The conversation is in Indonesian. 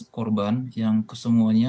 lima belas korban yang kesemuanya